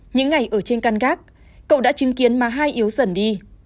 những ngày ở trên căn gác cậu đã chứng kiến mà hai yếu dần đi